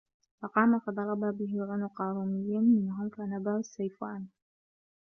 فَقَامَ فَضَرَبَ بِهِ عُنُقَ رُومِيٍّ مِنْهُمْ فَنَبَا السَّيْفُ عَنْهُ